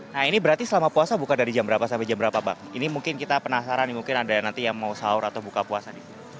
nah ini berarti selama puasa buka dari jam berapa sampai jam berapa bang ini mungkin kita penasaran nih mungkin ada yang nanti yang mau sahur atau buka puasa